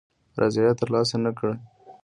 رضاییت تر لاسه نه کړ.